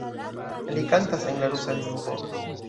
Li kantas en la rusa lingvo.